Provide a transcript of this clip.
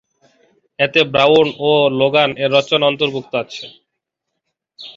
এতে ব্রাউন এবং লোগান এর রচনা অন্তর্ভুক্ত আছে।